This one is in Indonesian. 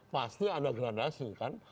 pasti ada gradasi kan